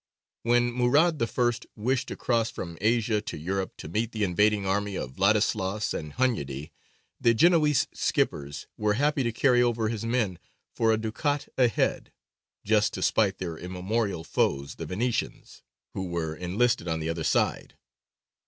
When Murād I. wished to cross from Asia to Europe to meet the invading army of Vladislaus and Hunyady, the Genoese skippers were happy to carry over his men for a ducat a head, just to spite their immemorial foes the Venetians, who were enlisted on the other side.